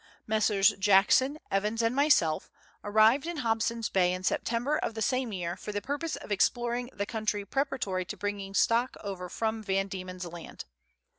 Messrs. Jackson, Evans, and myself, arrived in Hobson's Bay in September of the same year, for the purpose of exploring the country preparatory to bringing stock over from Van Diemen's Land.